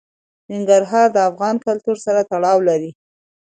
ننګرهار د افغان کلتور سره تړاو لري.